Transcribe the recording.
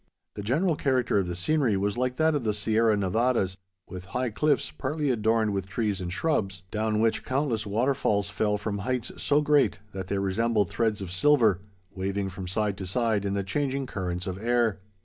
The general character of the scenery was like that of the Sierra Nevadas, with high cliffs partly adorned with trees and shrubs, down which countless waterfalls fell from heights so great, that they resembled threads of silver, waving from side to side in the changing currents of air.